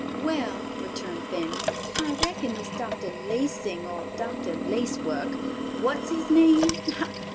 "Well," returned Fanny, "I reckon this Dr. Lacing or Dr. Lacework—what's his name?